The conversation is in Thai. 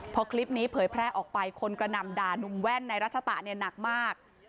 พอคลิปนี้เผยแพร่ออกไปคนกระหน่ำด่านุ่มแว่นในรัชตะเนี่ยหนักมาก